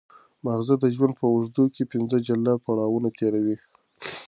ماغزه د ژوند په اوږدو کې پنځه جلا پړاوونه تېروي.